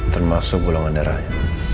termasuk bulangan darahnya